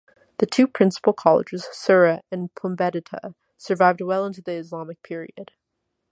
The two principal colleges, Sura and Pumbedita, survived well into the Islamic period.